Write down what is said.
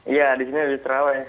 iya di sini lebih terawih